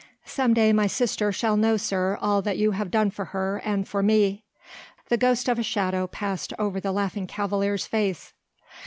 "Some day my sister shall know, sir, all that you have done for her and for me." The ghost of a shadow passed over the Laughing Cavalier's face.